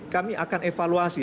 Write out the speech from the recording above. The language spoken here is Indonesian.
kami akan evaluasi